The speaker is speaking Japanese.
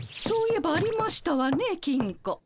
そういえばありましたわね金庫。